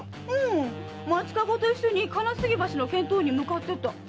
町駕籠と一緒に金杉橋の見当に向かってた。